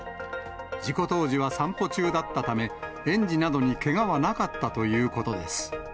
事故当時は散歩中だったため、園児などにけがはなかったということです。